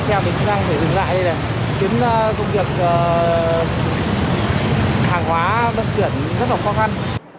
theo mình đang phải dừng lại đây này kiếm công việc hàng hóa vận chuyển rất là khó khăn